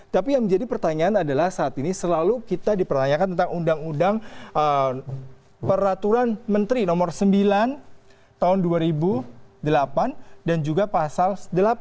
tapi yang menjadi pertanyaan adalah saat ini selalu kita dipertanyakan tentang undang undang peraturan menteri nomor sembilan tahun dua ribu delapan dan juga pasal delapan